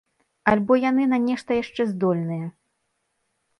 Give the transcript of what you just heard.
Альбо яны на нешта яшчэ здольныя?